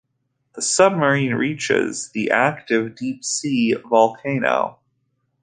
The submarine reaches the active deep-sea volcano.